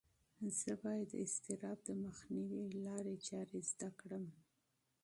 زه باید د اضطراب د مخنیوي لارې چارې زده کړم.